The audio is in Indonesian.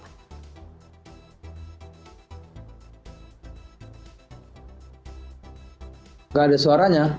tidak ada suaranya